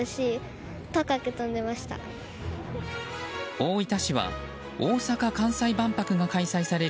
大分市は、大阪・関西万博が開催される